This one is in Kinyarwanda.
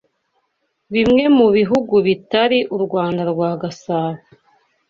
Bimwe mu bihugu (bitari u Rwanda rwa Gasabo)